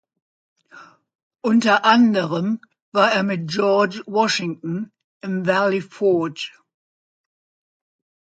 Unter anderem war er mit George Washington im Valley Forge.